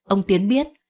ông tiến biết